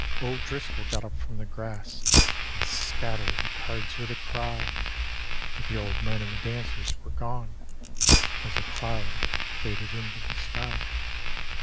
O'Driscoll got up from the grass And scattered the cards with a ciy; But the old men and the dan«rs were gone As a cloud faded into the sky.